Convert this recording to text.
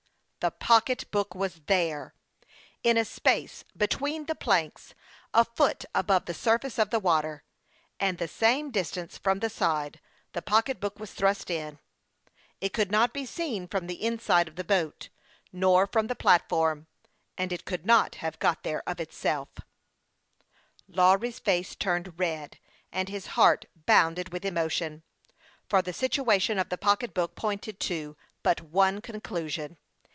The pocketbook was there ! In a space between the planks, a foot above the surface of the water, and the same distance from the side, the pocketbook was thrust in. It could not be seen from the inside of the boat, nor from THE YOUXG PILOT OP LAKE CHAMPLAIX. 57 the platform ; and it could not have got there of itself. Lawry's face turned red, and his heart bounded with emotion, for the situation of the pocketbook pointed to but one conclusion.